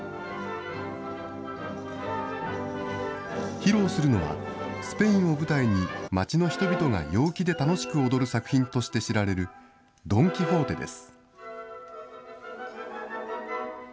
披露するのは、スペインを舞台に、町の人々が陽気で楽しく踊る作品として知られるドン・キホーテです。